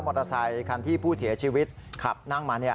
อเตอร์ไซคันที่ผู้เสียชีวิตขับนั่งมา